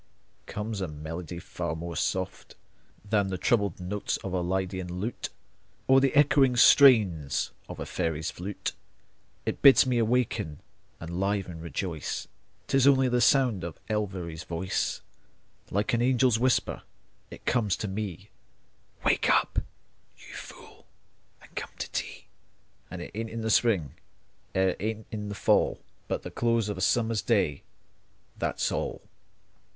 comes a melody far more soft Than the troubled notes of a lydian lute Or the echoing strains of a fairy's flute; It bids me awaken and live and rejoice, 'Tis only the sound of Elviry's voice Like an angel's whisper it comes to me: "Wake up, you fool, and come to tea." An' it ain't in the spring er it ain't in the fall, But the close of a summer's day, That's all.